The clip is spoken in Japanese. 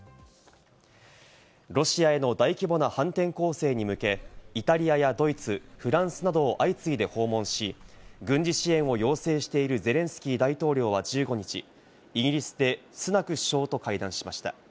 ロシアへの大規模な反転攻勢に向け、イタリアやドイツフランスなどを相次いで訪問し、軍事支援を要請しているゼレンスキー大統領は１５日、イギリスでスナク首相と会談しました。